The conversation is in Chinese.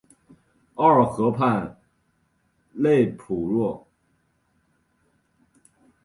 奥尔河畔勒普若。